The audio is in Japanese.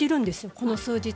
この数日。